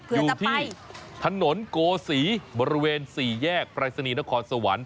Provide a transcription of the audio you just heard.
อยู่ที่ถนนโกศีบริเวณ๔แยกปรายศนีย์นครสวรรค์